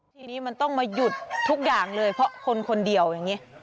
ทีนี้มันต้องมาหยุดทุกอย่างเลยเพราะคนคนเดียวอย่างนี้